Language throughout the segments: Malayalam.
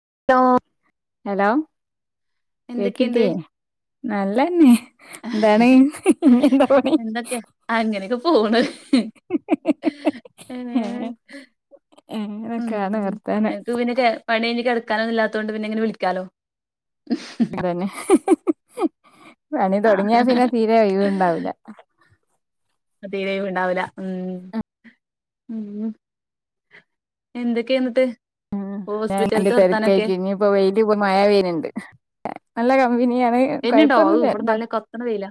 [unintelligible] ഹലോ എന്തൊക്കെണ്ട് കേക്കിട്ട്യെ നല്ലന്നെ എന്താണ് ഇ എന്താണി എന്തൊക്കെ അങ്ങനെയൊക്കെ പോണ് ഏ ഉം അങ്ങനൊക്കെയാണ് വർത്താനം എനിക്ക് പിന്നെ പണി കയ്ഞ്ഞ കെടക്കാനോന്നു ല്ലാത്തൊണ്ട് പിന്നെ ങ്ങനെ വിളിക്കാലോ അതന്നെ പണി ആഹ് തുടങ്ങിയാ പിന്നെ തീരെ കഴുണ്ടാവൂല്ല അ തീരയും ഉണ്ടാവല ഉം ഉം എന്തൊക്കെയ എന്നിട്ട് ഉം ഞാൻ എന്റെ ഹോസ്പിറ്റൽത്തെ വർത്താനൊക്കെ തിരക്കായിക്ക് ഇനി ഇപ്പോ വെയില ഇപ്പ മഴ പെയുണ് ണ്ട് വിനിയാണ് വരുന്നുണ്ടോ ഔ കൊഴപ്പൊന്നുംല്ല ഇവിടെ എന്താ നല്ല കത്ത്ണ വെയിലാ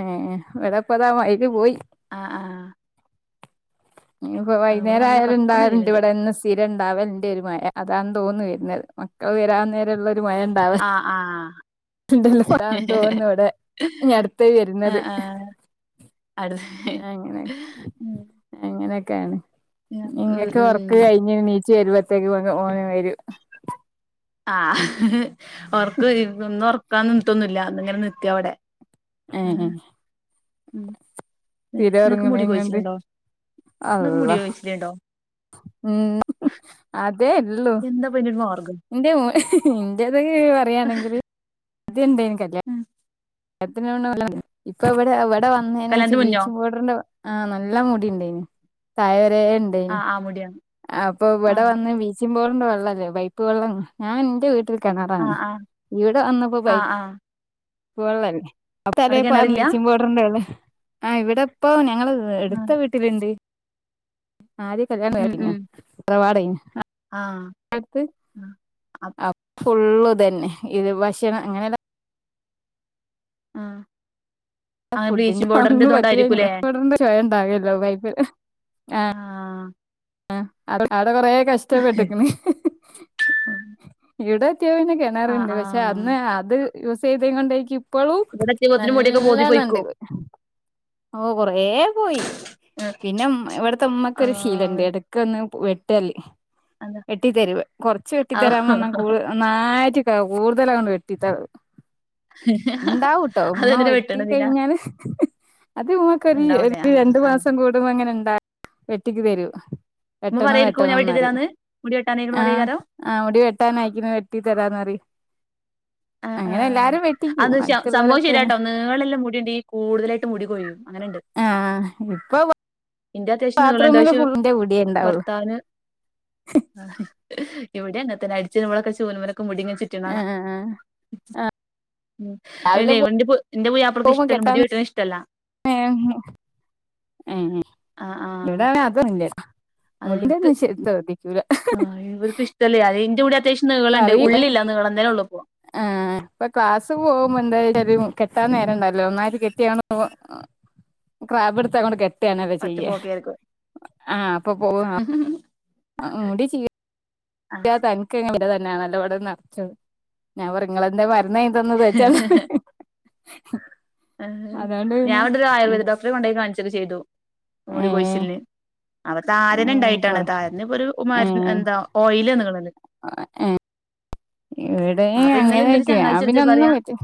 ഏർ എടപ്പതാ വൈതി പോയി ആഹ് ആഹ് ഇപ്പ ഇവിടെ വൈനേരം നല്ല ആയാല കത്ത്ണ ഉണ്ടാവലിണ്ട് വെയില്ണ്ട് ഇവിടെന്ന് സ്ഥിര ഉണ്ടാവല ര് മയ അതാന്ന് തോന്ന് വെരുന്നത് മക്കൾ വരാൻ നേരള്ള ആ ആഹ [unintelligible] തോന്നുന്നു ഇവിടെ അടുത്ത ആഹ് വരുന്നത് ആഹ് അടു അങ്ങനെ ഉം അങ്ങനെക്കെയാണ് ഉം ഇങ്ങക്ക് ഉം ഉറക്ക് കഴിഞ്ഞ ചേരുപത്തേക്ക് ഓന വര് ആഹ ഓർക്ക് ഒന്ന് ഉറക്കാ നിട്ടൊന്നില്ല അന്ന ഇങ്ങനെ നിത്തിയ അവിടെ ആ ആ ഉം ങ്ങക്ക് മുടി കൊണ്ട് കൊയിച്ചില്ണ്ടോ ങ്ങക്ക് മുടി അള്ളാ കൊയിച്ചില്ണ്ടോ ഉം എന്താ പിന്നീട്ട മാർന്നു എന്റെ മ ഇന്റേത പറയായാണെങ്കില് [unintelligible] ഉം ട വന്നേന് ശം കല്യാണത്തിന് മുന്നോ വീചിം പൗടറിന്റ ആ നല്ല മുടിണ്ടേനി. [unintelligible] അതേ ഉണ്ടയിനു. ആഹ് ആഹ് മുടിയാണ് അപ്പൊ ഇവിടെ ആഹ് വന്ന് വീശിം വെള്ളല്ലേ പയ്പ്പവെള്ള ഞൻ എന്റെ വീട്ട ആഹ് കെണറാണ് ആഹ് ഇവിടെ വന്നപ്പോ പൈ ആഹ് ആഹ് പ്ളിയി അ തല അവിടെ പോ കിണറില്ല ബീച്ചിങ് പൗഡറിന്റെല്ലേ ആ് ഇവിടെ ഇപ്പ ഞങ്ങള് ആഹ് എടുത്ത വീട്ടിലുണ്ട് ആര് കല്യാണം കേട്ടിന ഇത്രവാട ആഹ ആ അ ഫുള്ള് തന്നെ ഇത് ഭക്ഷണം അങ്ങനെല്ല ആഹ ഫുഡിന്റെ ഒന്നങ് പറ്റുകഴിഞ്ഞില്ല ഇവിട ചയണ്ടാകല്ലോ ബൈപ്പില് ആ ആഹ് ആ അ അടെ കൊറ കഷ്ടപ്പെട്ടിക്കണ് ഇവിടെ പ്രത്യാവന ആഹ് കിണറുണ്ട് പക്ഷെ ആഹ് അന്ന് അത് യൂസ് ചെയ്ത് കൊണ്ടരിക്ക ഇപ്പളും ഇവിടെ എത്തിയപ്പോത്തിന് മുടിയൊക്കെ നല്ല പോന്തി നണ്ട് പൊയ്ക്കും ഓ കൊറേ പോയി പിന്നെമ്മ ഇവിടത്തെ ഇമ്മക്ക് ഒരു ശീലുണ്ട് ആഹ് ഒക്കെന്ന് വെട്ടല്ലേ വെട്ടി തരു കുറച്ച് വെട്ടി തരാൻ പറഞ്ഞാൽ കൂടു ഒന്നായിട്ട് കൂടുതൽ അങ്ങട് വെട്ടിട്ടാളും. ഉണ്ടാവട്ടോ ഉമ്മ അതെന്തിനാ വെട്ടി വെട്ടണെ എന്തിനാ കഴിഞ്ഞാല് അത് ഉമ്മാക്കൊരു ഉണ്ടാവൂലേ ഒരു ആ രണ്ടു ആ മാസം കൂടുമ്പോ അങ്ങനെണ്ട വെട്ടിക്ക് തരൂ ഉമ്മ എട്ടണം പറയായിരിക്കും വെട്ടണം ഞാൻ എന്നറിയ വെട്ടിത്തരാന്ന് മുടി വെട്ടാനായിക്കണ് ആഹ് പറയേക്കാരം ആഹ് മുടി വെട്ടാനയിക്കണ് വെട്ടി തരാന്നറി ആഹ്. ആഹ് അ എന്ത് സംഭവം അടുത്തുള്ളോലൊക്കെ ശരിയാട്ടോ അങ്ങനെ നീളുല്ല മുടിയുണ്ടെ ഈ കൂടുതലായിട്ട് മുടി കൊയ്യും അങ്ങനെയുണ്ട്. ആഹ് ഇപ്പൊ പോ. ഇന്റെ അത്യാവശ്യം നീളണ്ട് പഷേ മുടിയേ ഇണ്ടാവുള്ളു ഭർത്താന് ഇവിടെന്നത്തന്നെ അടിച്ച് നളൊക്കെ ചൂന്മനൊക്കെ മുടിങ്ങ ചുറ്റുന്ന കാണ ആഹ് ഉം എന്റെ രാവിലെ എന്റെ പുയ്യാപ്പളാക്ക് പോകുമ്പോ ഇഷ്ട്ടല്ല കെട്ടാൻ മുടി വെട്ടണത് ഇഷ്ടല്ല. ഏഹ് ഹം ഏഹ് ആ ആ ഇവിട അതൊന്നില്ല ഉട ശ എന്തോതി ആഹ് ഇവർക്ക് ഇഷ്ടല്ലേ അ എന്റെ കൂടെ പറയി ആഹ് ഇപ്പൊ ക്ലാസ്സ് പോകുമ്പോ എന്തായ കെട്ടാ നേരണ്ടല്ലോ ഒന്നായിം കെട്ടിയ ക്രാബ് എടുത്ത് ട്ടാണത് ഒറ്റ ചെയ്യ പോക്കായിരിക്കും ആഹ് അപ്പൊ പോവ ആഹ് മുടി ചീ തനിക്ക് തന്നെയ നല്ലപ [unintelligible] നറച്ചത് ഞാൻ പറ നിങ്ങൾ എന്താ എന്ന ഇതൊന്നു തേ ചല ആ ഞാൻ ഇവിടെ ഒരു ആയുർവേദ ഡോക്ടറെ കൊണ്ടുപോയി കാണിച്ചൊക്കെ ചെയ്തു ഏ മൂടി കോഴിച്ചലിന് അപ്പ താരൻ ഉം, ഉണ്ടായിട്ടാണ് കൊറ താരന് ഇപ്പോ ഒരു മര എന്താ ഓയിൽ നില് ഏ ഇവിടെ അപ്പൊ ഇന്നലെ ഇന്റെ ഒരു അങ്ങനൊയിരിക്ക ചങ്ങായിച്ചി ഞാൻ വിളിച്ച് പിന്നെ ഒന്നും പറയാ പറ്റൂ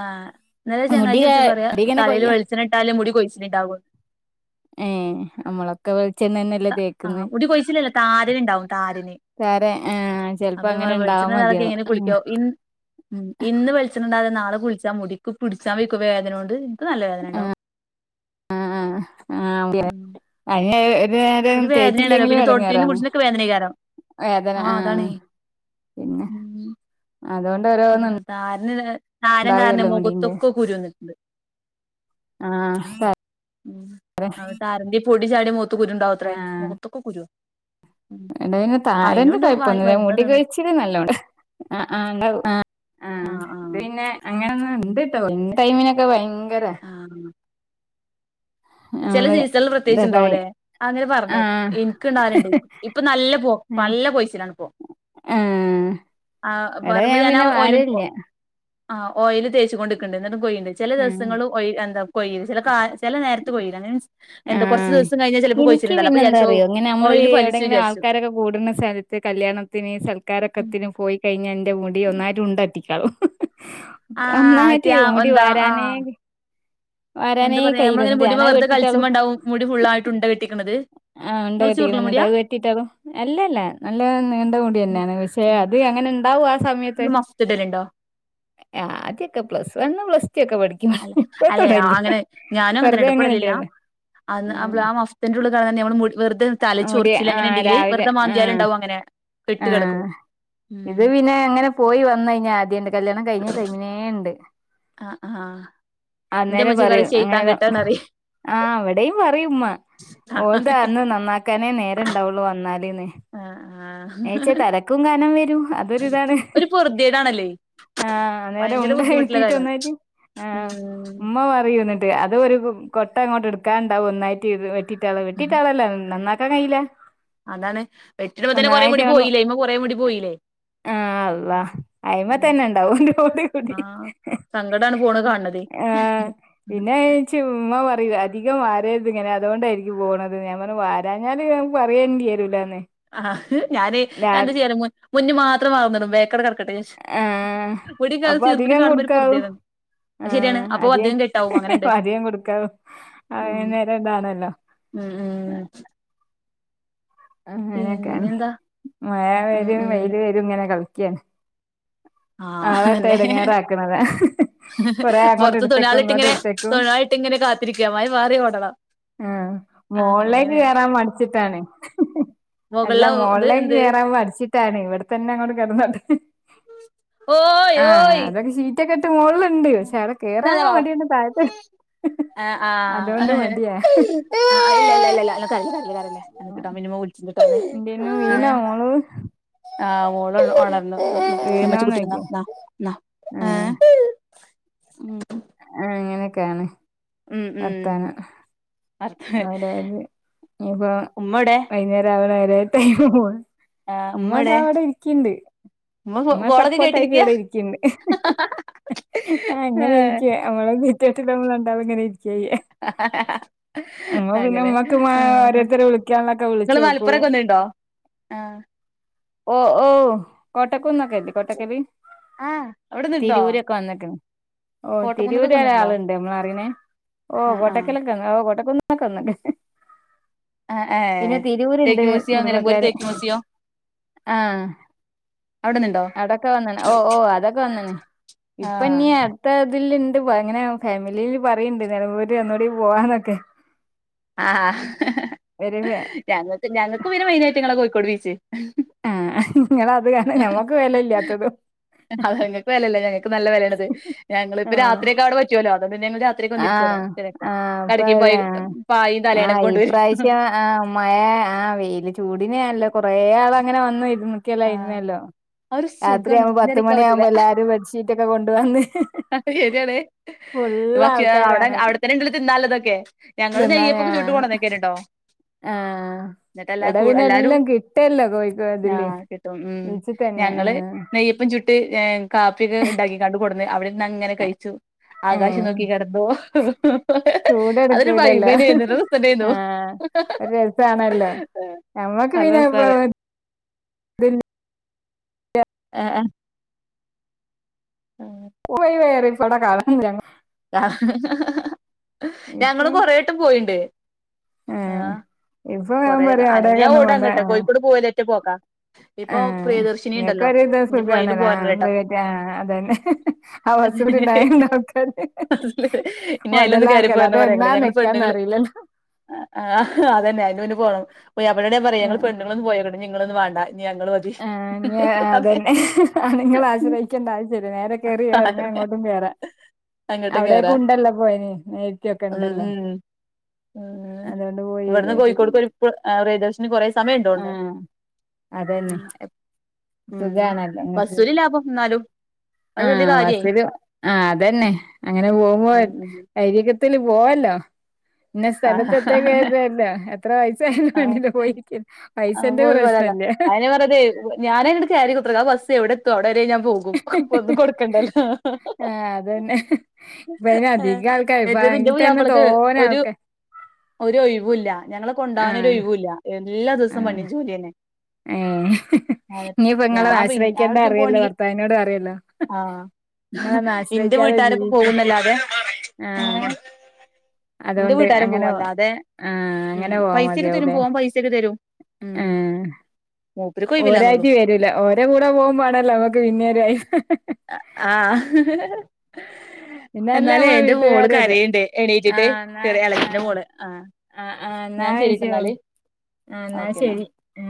ആഹ് ഇന്നലെ മുടി ചങ്ങായിച്ചി വിളിച്ചപ്പോ ക- പറയാ മുടി ഇങ്ങനെ തലേല് കൊയ്യ വെളിച്ചെണ്ണ ഇട്ടാല് മുടി കൊഴിച്ചിന ഇണ്ടാകന്ന്. ഏ നമ്മളൊക്കെ വെളിച്ചെണ്ണ തന്നെയല്ലേ ആഹ് തേക്കുന്നത് മുടി കൊഴിച്ചിലല്ല താരനണ്ടാവും താരന്. സാറെ ആ ചെലപ്പോ അപ്പ അങ്ങനെ വെളിച്ച ഉണ്ടാവാൻ നളൊക്കെ മതിയാവും എങ്ങനെ കുളിക്കോ ഉം ഇന്ന് വെളിച്ചെണ്ണിടാതെ നാളെ കുളിച്ചാ മുടിക്ക് പിടിച്ചാ വക്കും വേദന കൊണ്ട് ആഹ് ആഹ് ആഹ് ഉം ആ ഏഹ് ഇത് ഒരു വേദനേണല്ലോ തേറ്റില്ലെങ്കിലും പിന്നെ തൊട്ടിലിനും എടങ്ങാറാണ് പിടിച്ചിനൊക്കെ വേദനേക്കാരം വേദന ആഹ്. പിന്നെ ഉം അതുകൊണ്ട് ആ ഓരോന്നും താരന് താരം കാരണ ഉണ്ടാകല്ലോ മുടിന്റെ മുഖത്തൊക്കെ കുരു വന്നിട്ടുണ്ട്. ആ ഉം അന്നട്ട് ആരണ്ട പൊടി ചാടി മുഖ കുരുണ്ടാവത്രേ മുഖത്തക്കെ കുരു. വേണ്ടതിെ താരന്റെ വ കഴപ്പൊന്നുമില്ല മുടി മരുന്നെന്നാണ് കഴിച്ചിട്ട നല്ലോടെ ആഹ് ആ. ആ ആ ആ ആഹ് ആ പിന്നെ അങ്ങനെന്ന ഉണ്ട് കേട്ടോ ടൈമിനൊക്കെ ഭയ ആഹ് ചില നമ്മള് സീസണൾ പ്രത്യേകിച്ച് ഇതൊക്കെ ആയി ഉണ്ടാവൂലേ അങ്ങനെ ആ പറഞ്ഞെ എനിക്കുണ്ടാവാറുണ്ട് ഇപ്പൊ നല്ല പോ പല്ല പോയ്സിലാണ് ഇപ്പോ. ആ ആ എടാ പറമ്പ് ഞാൻ ഞാനാ പിന്നെ ഓല പോ വാരല്ല ആഹ് ഓയിയില് തേച്ചു കൊണ്ട് ഇക്കണ്ട് എന്നിട്ടും കൊയ്യിണ്ട് ചെല ആ ദിവസങ്ങള് ഒയ്യ് എന്താ കൊയില് ചെല ചേലനേര കൊയ്യീല അങ്ങനെ മീൻസ് ആ എന്താ കുറച്ച് ദിവസം കഴിഞ്ഞ എനിക്ക് പിന്നെ എന്താ അറിയോ ഇങ്ങനെ നമ്മള് ഫലിച്ചു എവിടെയെങ്കിലും വിചാരിച്ചു ആൾക്കാരൊക്കെ കൂടുന്ന സ്ഥലത്ത് കല്യാണത്തിന് സൽക്കാ ഉം ക്കത്തിന് പോയി കഴിഞ്ഞ എന്റെ മുടി ഒന്നായിട്ട് ഉണ്ടറ്റിക്കാളും. ആഹ് മറ്റേ അന്നായിട്ട് ആ മുടി എന്താ വാരാന് ആഹ് എന്താ വരാനേ പറയാ കയ്യിയിലന്ന് നമ്മളിങ്ങനെ മുടിമെ ഞാനത് വെറുതെ വെട്ടിട്ടാളു. കളിച്ചുമ്പോണ്ടാവും മുടി ഫുള്ളായിട്ട് ഉണ്ട കെട്ടിനിക്കണത്. ആഹ് ഉണ്ട കെട്ടിട്ട് അത് വെട്ടിട്ടതോ അല്ലല്ല നല്ല നീണ്ട കൂടി തന്നെയാണ് പക്ഷെ ഉം അത് അങ്ങനെ ഇണ്ടാവും ആ സമയത്ത് ഇങ്ങള് മഫ്ത്ത്ടലുണ്ടോ ആദ്യോക്കെ പ്ലസ് വൺ പ്ലസ് ടു ഒക്കെ പഠി അ അല്ലെ അങ്ങനെ ഞാനും അന്നെ വെറുതെ അങ്ങനെ എടപ്പെടലില്ല ഉണ്ടായിരുന്നു അ ഉം അള ആ മസ്തറ ഉള്ള അ നമ്മ വെറുതെ മുടി തലിച്ചുൊിച്ചിൽ ആ അങ്ങനെണ്ടെങ്കില് രാവിലെ വെറതെ ആ മാന്തിയാലംണ്ടാവും അങ്ങനെട്ട ആ കിടക്കും ഉം ഇത് പിന്നെ എങ്ങനെ പോയി വന്ന കഴിഞ്ഞ ആദ്യുണ്ട് കല്യാണം കഴിഞ്ഞ ടൈമിനേ ഉണ്ട് ആ ആഹ എന്റെ മച്ച കറ ച്ത്താൻ കേെട്ടണ അറിയ ആഹ് അവിടെയും പറയുംമ്മ ആഹ് ഓലത അന്ന് നന്നാക്കാനേ നേര ഇണ്ടാവുള്ളു വന്നാലേന്ന് ആഹ ഏച്ചാ തിരക്കും ഗാനം വരൂ ഒരു പറുതേടാണല്ലേ ആഹ് നേരെം ഉണ്ടായി എത്തിീട്ട് ഒന്നട്ട് ആഹ ഉമ്മ ഉം പറ ിട്ട് അതൊ ഒരു കൊട്ട അങ്ങോട്ട് എടുക്കാുണ്ടാവും ഒന്നായിട്ട് വെട്ടിട്ടാ വെട്ടിട്ടളല്ല നന്ന ഇക്കാ കയ്യില്ലേ അതാണ് വെട്ടിടുമ്പ തന്നെ കൊറെേ മുടി പോയില്ലേ ഇ്മ കൊറേ മുടി പോയില്ലേ ആഹ അ് അയ്മ ഉം തന്നെ ഉണ്ടാവണ്ട് കടി ആ സങ്കടാണ് ഫോണ് കാൺണതേ ആഹ പിന്നെ ചുമ്മാ വ അധികം വാരരുത് ഇങ്ങനെ അതുകൊണ്ടായിരിക്കും പോകണത് ഞാ പറഞ്ഞ വാരാഞ്ഞാല് ക്ക് അറിയേണ്ട ആരുംല്ലാന്ന ആ ഞാാന് ഞാ എന്ത് ചെയ്യാലും മുന്നു മാത്രംമാവും ബേക്ക ക ് ആഹ് കുടൊക്ക ചീർപ്പടി കാണുമ്പോ കുറതെ വു ആഹ അധികം അപ്പ അധികം കൊടുക്കാവ അ ഉം നേേരംണ്ടാണല്ലോ ഉം ഉം അങ്ങനെയൊക്കെയാണ് പിന്നെന്താ മഴ ഉം വരും ഉം വെൽ വരും ഇങ്ങനെ കളിക്കിയാണ് ആ ആളട്ട എടങ്ങാറ ആാക്കണതാ പുറത്ത് തൊണാളിട്ടി ഇങ്ങനെ തൊണാളിട്ടിങ്ങനെ കാത്തിരിക്ക മ മാറി ഓടണം ആഹ ആ മോളിലേക്ക് അങ്ങനെയാണ് കേയറാൻ മടിച്ചിട്ടാണ് അല്ല മുകളില ഇത് മോുകളളിലേക്ക് എന്ത് കേയറാൻ്പോ പഠിച്ചിട്ടാണ് ഇവിടെത്തന്നെ അങ്ങോട്ട കിറന്നോട്ടെ ഓയ് ആഹ് ഓയ് അതൊക്കെ ീറ്റൊക്കെ ഇട്ട് മുകളിലുണ്ട് പക്ഷെ അവിടെ ഇന്നാ കേറാാനുള്ളാ വാ വാ മടിയണ്ട് താഴത്ത് ആ ആ അതുകൊണ്ട് മടിയാ ഇല്ലല്ല ഇല്ലല്ല ഒ പറഞ്ഞ പറഞ്ഞി പറഞ്ഞ എനക്ക്ട്ടോ മിനിമോ വിളിച്ചിട്ടോ എന്തേനു വീണോ അ മോള് ആ മോള ഓണരുന്നു നമ്മച്ച വീണോന്ന് കുുട്ടിന്ന ചോയിക്കാ എന്ന ആഹ് ഉം ക്കാണ് ഉം ഉം വർത്തനം ആര അത് ഇയിപ്പ ഉമ്മ എവ്ടെ വൈകുന്നേരം ആാവണെ അവരെ ൈ പോ ആഹ് ഉമ്മ അത എവ്ടെ അവിടെ ഇരിക്കിണ്ട് ഉമ്മ കോളൊക്കെ സപ്പോർട്ടായിട്ട് കേട്ടിരിക്കയാ ഇവിടെ ഇരിക്കണ്ട് ആ അങ്ങനെ ഏഹ് ഇരിക്ക നമ്മള വീറ്റാട്ടിൽ നമ്മൾ ഉണ്ടാവ അങ്ങനെ ഇരിക്ക ചെയ്യാ ഉമ്മ ആ പിന്നെ അങ്ങനെ ഉമ്മക്ക് മാ ഓരോരുത്തരെ വിളിക്കാനുള്ളൊക്കെ നിങ്ങള് വിളിച്ചോക്കും മലപ്പുറക്കെ ഒന്നണ്ടോ ആഹ ഓ ഓ കട്ടക്കും നക്കല്ലി കോട്ടക്കെവി ആഹ് അവിടെ നിന്നിട്ടുണ്ടോ തിരവൂരൊക്കെ വന്നിട്ട ഓ കോട്ടക്കുന്നൊക്കൊക്കെ തിരൂരരെ വന്നിട്ടുണ്ടോ ആളുണ്ട് നമ്മള അറങ്ങനെ ഓ ആഹ് ആഹ് കൊട്ടക്കലൊക്കെ ഓ അന്നന്നക്കെ ആഹ് പിന്നെ ഏഹ് തേക്ക് തിരവൂര്ണ്ട് മ്യൂസിയം നിലമ്പൂര് കുടുംബക്കാര് തേക്ക് മ്യൂസിയം ആഹ അവിടെ നിന്നിട്ടുണ്ടോ അടൊക്കെ വന്നണ ഓ ഓ അതൊക്കെ വന്നണ ഇപ്പൊ ആഹ് ഇനി എത്ര ഇതില് അങ്ങനെ ഫാമിലിയിൽ പറയുണ്ട് നിലമ്പൂര് അന്നുകൂടി പോവാന്നൊക്കെ ആ ഒരു ഞങ്ങ ഞങ്ങൾക്ക് പിന്നെ മെയിനായിട്ട് ങ്ങളെ കോഴിക്കോട് ബീച്ച് ആഹ നിങ്ങ അത് കാര ഞമ്മക്ക് വിലയില്ലാത്തതും അത് ഞങ്ങൾക്ക് വിലല്ല ഞങ്ങൾക്ക് നല്ല വിലയാണത് ഞങ്ങളിപ്പ രാത്രിക്കാട് പറ്റുവല്ലോ അ പി ഞങ്ങൾ രാത്രിക്ക് വന്നിരിക്കുവോടെ ആഹ് ചക്ക് ആഹ് അപ്പൊ കടക്കയും പോയി ആഹ് പായയും തലേണക്കെ ആഹ് കൊണ്ടുവരും ഇപ്രാവശ്യം ആഹ് മഴ ആഹ വെയില് ചൂടിനെല്ലോ കൊറേ ആൾ അങ്ങനെ വന്നു ഇുന്നക്കല്ലോ ആ ഇരുന്നല്ലോ ആ ഒരു സുഖാണ് രാത്രിയാകുമ്പോൾ പറഞ്ഞറിയിക്കാൻ പത്തുമണിയ പറ്റൂല ആകുമ്പോ എല്ലാരും ബെഡ്ഷീറ്റ ഒക്കെ കൊണ്ട വന്ന് താണ് ബാക്കി അടെ ആൾക്കാരാണ് അവിടെത്തന്നെ ഉണ്ടല്ല തിന്നാല അതൊക്കെ ഞങ്ങള്ൾ നെയ്യപ്പൊെ ചൂട്ട് പോണണംക്കുണ്ടോ ആഹ എല്ലാരും വിടവിനെല്ലാം കിട്ടല്ലോ കോഴക്കോ അതില് ആഹ് കിട്ടും ഉ ഞങ്ങള്ൾ നെയ്യപ്പം ചുട്ട് കാപ്പിയൊക്കെ ഉണ്ടാക്കി കണ്ട് കൊടന്ന് അവിടെ ഇ അങ്ങനെ കഴിച്ചു ആകാശം ഏഹ് നോക്കി കിടന്നു അതൊരു ചൂടെടുക്കൂലല്ലോ വൈമേന ആരുന്നു സന ആന്നോ ആഹ് ഒരു രസമാണല്ലോ ഞമ്മക്ക് നല്ല പിനെപ്പ രസാണ് ബ ആഹ ആഹ ആഹ വേറ ോടാ കണ ഞങ്ങള് ഇപ്പം കൊറെ ആട്ടും പോയിണ്ട് ആഹ ഏഹ് ഇപ്പൊ ഞാൻ കുറെേ പറയാ അനങ്ങഞാ അവിടേക്കൊന്നും ഓട പോണ്ട അങ്ങട്ടെ ആഹ് കോഴിക്കോട് പോവലേറ്റ പോക്കാ ഇപ്പൊ പ്രിയദർശിനി ഉണ്ടല്ലോ ത് സുഖംണല്ല പ്രൈവറ്റ് ആ അതന്നെ ആ അസുഖംണ്ടായണ്ടക്കെ അ ഇനി അതിലൊന്ന് കയറിപ്പോ പറയാങ്ങളെ അതെന്നാ ഞങ്ങള് പെണ്ണുങ്ങള്ൾ നിക്കാന്നറിയില്ലല്ലോ ആഹ് അതന്ന അന് മുന്നെ പോണം പോഓ എവിടെയാ പറയാ ഞ പെണ്ണങ്ങളൊന്ന പോയക്ക നിങ്ങളൊന്നും വേണ്ട ആ ഇ അതന്നെ ആ നിങ്ങെ ആശ്രയിക്കേണ്ട ആച്ച നേര കേയറിയറങ്ങ അങ്ങോട്ടും കേറ അങ്ങട്ടും അവിടെൊക്കെ കേറാ ഉണ്ടല്ലോ പോയിന് നേരിട്ടൊക്കെ ഉണ്ടല്ലോ ഉ അതുകൊണ്ട് പോയി ഇവിടുന്ന് വരൊക്കെ കോഴിക്കോട് ചെയ്യും ഏകദേശം ഇ കൊറെ സമയം ഉണ്ടോണ്ട് ആഹ് അതന്നെ ഉം സുഖാണല്ലോ വസൂല് ലാഭം വന്നാലും ആഹ വസില് ആ അതന്നെ അങ്ങനെ പോകുമ്പോ ഉം ഉം കരിൊക്കെ പോല്ലോ ഇന്ന സ്ഥലത്ത്ത്തക്കതല്ല എത്ര വയ ആ ആ പോയി പോലാല പ്രശ്നല്ല അയിനെ പറതെ ഞാനങ്ങടക്ക്രിക്കക്ക എവിടെ എത്തും അവിടെ വരെ ഞാൻ പോകുംപ്പ ഒന്നും കൊടുക്കണ്ടല്ലോ ആഹ് അതന്നെ ഇപ്പ അയിന് അധികം ആൾക്കാര് ഇപ്പ അയിൽ ഏറ്റതിന്റെ പോയി തന്നെ അവളത് തോനെ ഒരു ആൾക്കാ ഒ ഒഴിവ ഇല്ല ഞങ്ങളൊ കൊണ്ടാവവാൻ ഒ ഒരു ആഹ് ഒഴിവൂല്ല എല്ലാ ദിവസം പണി ജോലിന്നെ ഏ ഇനിയിപ്പോ ഞാൻ നിങ്ങളെ പി ആശ്രയിക്കേണ്ട അവിടേക്കും അറിിയല്ലോ പോകണെങ്കി ഭർത്താവിനോട അറിയല്ലോ ആഹ് നിങ്ങളൊന്നും ഇന്റെ ആശ്രയിക്കാതെ വീട്ടുകാരൊക്കെ ജീവിക്ക പോകുന്നല്ലാതെ ആഹ ഏഹ് ഇന്റെ അതുകൊണ്ട് അങ്ങനെ ആ അങ്ങനെ പൈസൊക്കെ തരും പോവാൻ പൈസയക്കെ തരും ഉം ആഹ മൂപ്പര്ക്ക് ഒരാഴ്ട്ട ഒഴിവില്ലാന്നൊള്ളു വരൂല ഓര കൂടെ പോകുമ്പാണല്ലോ നമ്മുക്ക് പിന്നെരു ആഹ പിന്നല്ലേ എന്നാല നമ്മളെ എന്റെ മോള് വീട്ടുകാരൊരു കരയുണ്ട് എണീറ്റിട്ട് ചെറിയ ഇളത്തിന്റെ മോള് ആ ആഹ ആ എന്നാ കഴച്ചോളി എന്നാൽ ഓക്കെ എന്നാ ശരി ആ